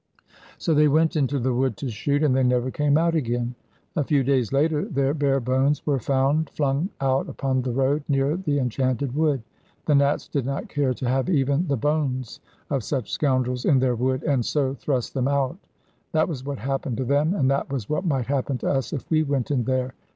So they went into the wood to shoot, and they never came out again. A few days later their bare bones were found, flung out upon the road near the enchanted wood. The Nats did not care to have even the bones of such scoundrels in their wood, and so thrust them out. That was what happened to them, and that was what might happen to us if we went in there.